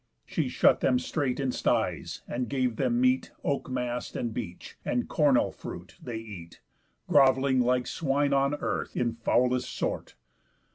She shut them straight in styes, and gave them meat, Oak mast, and beech, and cornel fruit, they eat, Grov'lling like swine on earth, in foulest sort.